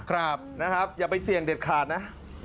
ครับนะครับอย่าไปเสี่ยงเด็ดขาดนะ